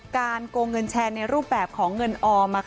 โกงเงินแชร์ในรูปแบบของเงินออม